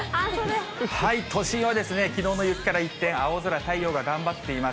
都心はきのうの雪から一転、青空、太陽が頑張っています。